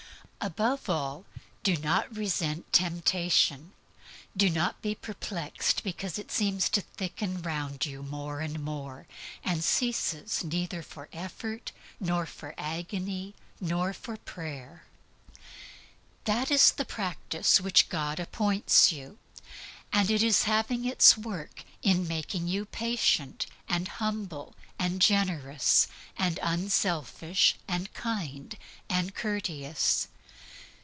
Above all, do not resent temptation; do not be perplexed because it seems to thicken round you more and more, and ceases neither for effort nor for agony nor prayer. That is your practice. That is the practice which God appoints you; and it is having its work in making you patient, and humble, and generous, and unselfish, and kind, and courteous.